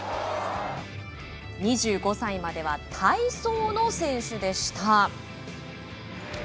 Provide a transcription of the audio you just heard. ２５歳までは体操の選手でした。